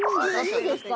いいですか？